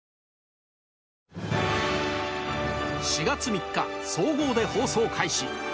４月３日総合で放送開始